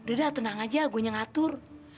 udah tenang aja gue ngatur